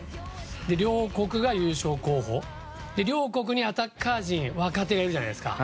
両国が優勝候補で両国にアタッカー陣若手がいるじゃないですか。